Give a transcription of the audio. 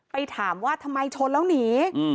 ไปถามว่าทำไมชนแล้วหนี